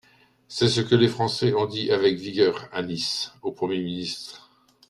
C’est ce que les Français ont dit avec vigueur à Nice au Premier ministre.